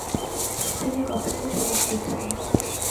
তিনি কফিতে চুমুক দিচ্ছেন।